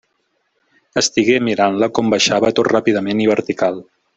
Estigué mirant-la com baixava tot ràpidament i vertical.